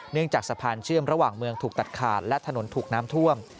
จากสะพานเชื่อมระหว่างเมืองถูกตัดขาดและถนนถูกน้ำท่วม